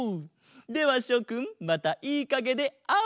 ではしょくんまたいいかげであおう！